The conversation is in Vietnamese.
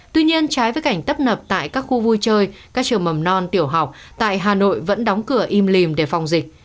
tuy nhiên trái với cảnh tấp nập tại các khu vui chơi các trường mầm non tiểu học tại hà nội vẫn đóng cửa im lìm để phòng dịch